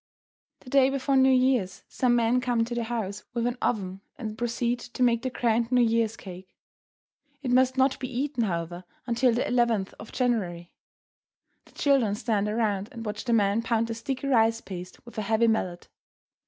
The day before New Year's some men come to the house with an oven and proceed to make the grand New Year's cake. It must not be eaten, however, until the 11th of January. The children stand around and watch the men pound the sticky rice paste with a heavy mallet.